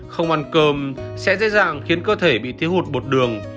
không ăn cơm sẽ dễ dàng khiến cơ thể bị thiếu hụt bột đường